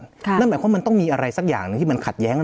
นั่นหมายความว่ามันต้องมีอะไรสักอย่างหนึ่งที่มันขัดแย้ง